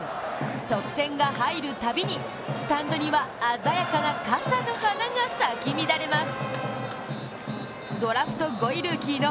得点が入るたびにスタンドには鮮やかな傘の花が咲き乱れます。